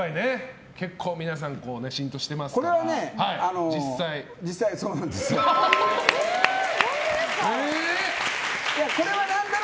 結構皆さんに浸透していますから。